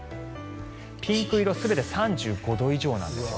ピンク色全て３５度以上なんです。